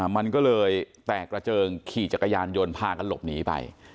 มันก็เลยแตกกระเจิงขี่จักรยานยนต์พากันหลบหนีไป